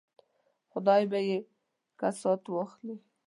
خدای به یې کسات واخلي.